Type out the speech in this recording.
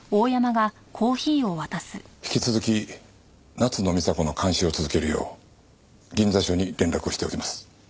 引き続き夏野美紗子の監視を続けるよう銀座署に連絡をしておきます。